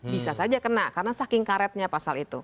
bisa saja kena karena saking karetnya pasal itu